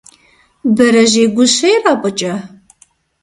Бэрэжьей гущэ ирапӀыкӀа?